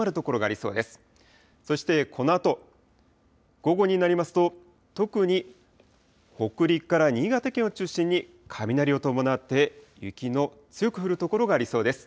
そしてこのあと午後になりますと、特に北陸から新潟県を中心に、雷を伴って雪の強く降る所がありそうです。